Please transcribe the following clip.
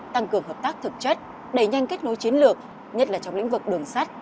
tăng cường hợp tác thực chất đẩy nhanh kết nối chiến lược nhất là trong lĩnh vực đường sắt